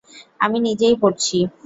আমি নিজেই পড়ছি।